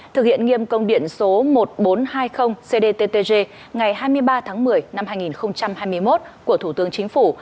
thực hiện nghiêm công điện số một nghìn bốn trăm hai mươi cdttg ngày hai mươi ba tháng một mươi năm hai nghìn hai mươi một của thủ tướng chính phủ